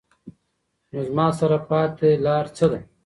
نو زما سره پاتې لار څۀ ده ؟